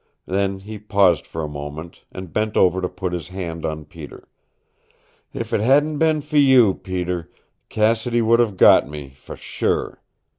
Then he paused for a moment, and bent over to put his hand on Peter. "If it hadn't been for you, Peter Cassidy would have got me sure.